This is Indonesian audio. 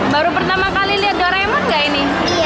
baru pertama kali lihat doraemon gak ini